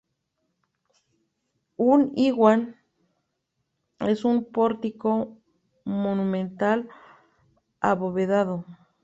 Un iwan es un pórtico monumental abovedado.